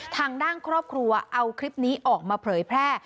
ทางด้านครอบครัวเอาคลิปนี้ออกมาเผยแพร่